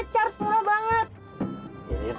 car semua banget